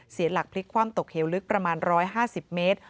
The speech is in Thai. เสียหลักพลิกคว่ำตกเหวลึกประมาณ๑๕๐เมตร